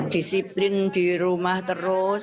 disiplin di rumah terus